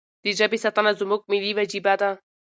د ژبې ساتنه زموږ ملي وجیبه ده.